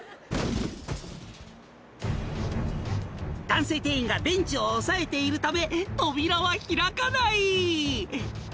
［男性店員がベンチを押さえているため扉は開かない］